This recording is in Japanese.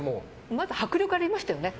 まず、迫力がありましたよね。